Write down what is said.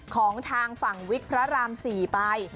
ของทางฝั่งวิกพระราม๔ไป